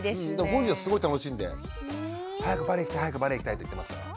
本人はすごい楽しんで「早くバレエ行きたい早くバレエ行きたい」って言ってますから。